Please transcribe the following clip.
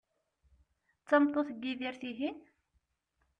D tameṭṭut n Yidir, tihin?